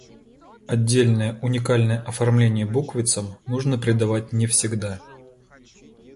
Отдельное уникальное оформление буквицам нужно придавать не всегда.